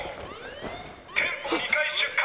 店舗２階出火。